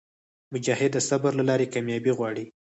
مجاهد د صبر له لارې کاميابي غواړي.